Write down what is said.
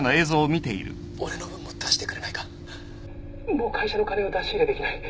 もう会社の金を出し入れできない。